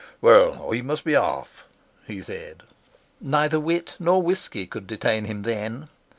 "Well, I must be off," he said. Neither wit nor whisky could detain him then.